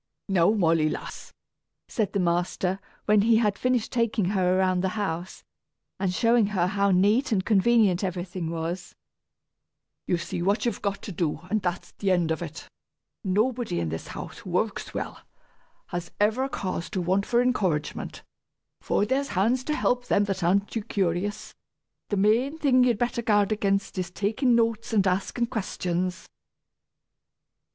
"Now, Molly, lass," said the master, when he had finished taking her around the house, and showing her how neat and convenient everything was; "you see what you've got to do, and that's the end of it. Nobody in this house, who works well, has ever cause to want for encouragement, for there's hands to help them that aren't too curious! The main thing you'd better guard against is takin' notes and askin' questions."